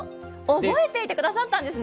覚えていてくださったんですね。